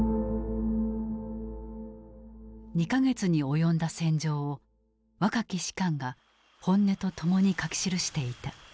２か月に及んだ戦場を若き士官が本音と共に書き記していた。